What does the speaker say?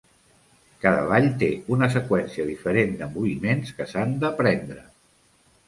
Cada ball té una seqüència diferent de moviments que s'han d'aprendre.